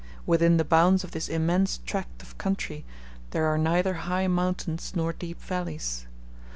Within the bounds of this immense tract of country there are neither high mountains nor deep valleys.